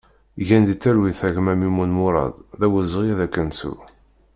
Gen di talwit a gma Mimun Murad, d awezɣi ad k-nettu!